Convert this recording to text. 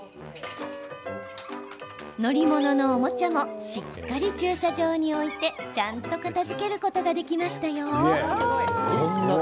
乗り物のおもちゃもしっかり駐車場に置いてちゃんと片づけることができましたよ。